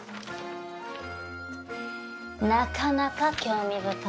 なかなか興味深い。